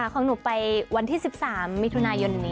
ของหนูไปวันที่๑๓มิถุนายนนี้